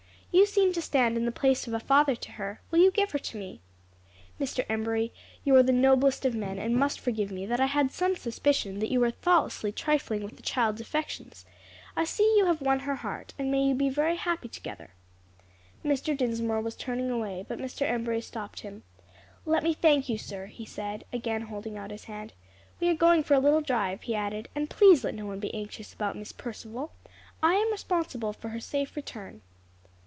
You seem to stand in the place of a father to her; will you give her to me?" "Mr. Embury, you are the noblest of men, and must forgive me that I had some suspicion that you were thoughtlessly trifling with the child's affections. I see you have won her heart, and may you be very happy together." Mr. Dinsmore was turning away, but Mr. Embury stopped him. "Let me thank you, sir," he said, again holding out his hand. "We are going for a little drive," he added, "and please let no one be anxious about Miss Percival. I am responsible for her safe return."